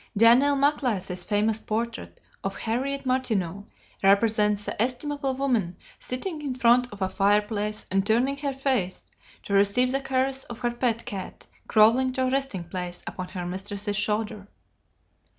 Daniel Maclise's famous portrait of Harriet Martineau represents that estimable woman sitting in front of a fireplace and turning her face to receive the caress of her pet cat crawling to a resting place upon her mistress's shoulder.